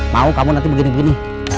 mau kamu nanti begini begini